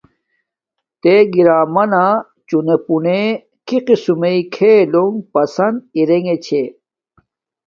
تے گی رامنا چونا پونے کی قسم میݵ کیھلونݣ پسبد ارنگے چھے